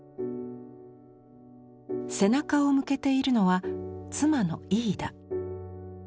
背中を向けているのは妻のイーダ。